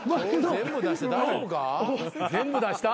全部出した？